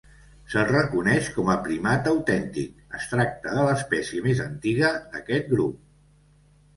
Si se'l reconeix com a primat autèntic, es tracta de l'espècie més antiga d'aquest grup.